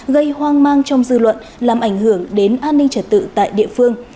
gây hoang mang trong dư luận làm ảnh hưởng đến an ninh trật tự tại địa phương